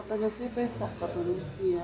katanya sih besok katanya